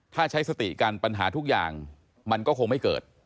ถ้าใช้สติกันปัญหาทุกอย่างมันก็คงไม่เกิด